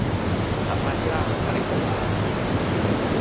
行快 D 啦！架 𨋢 到啦